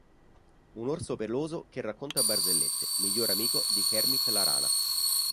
Un orso peloso che racconta barzellette, miglior amico di Kermit la Rana.